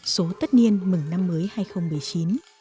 số tất niên mừng năm mới hai nghìn một mươi chín